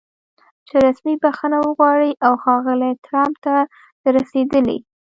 چې رسمي بښنه وغواړي او ښاغلي ټرمپ ته د رسېدلي